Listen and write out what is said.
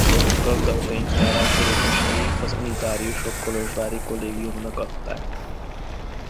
Gazdag könyvtárát örökösei az unitáriusok kolozsvári kollégiumnak adták.